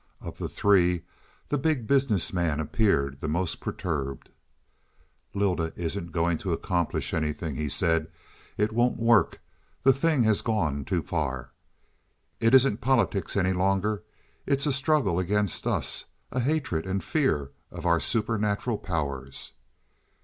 Of the three, the Big Business Man appeared the most perturbed. "Lylda isn't going to accomplish anything," he said. "It won't work. The thing has gone too far. It isn't politics any longer; it's a struggle against us a hatred and fear of our supernatural powers."